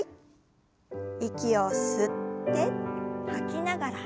息を吸って吐きながら横へ。